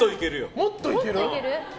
もっといけるよ。